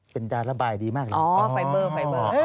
เป็นจานระบายดีมากเลย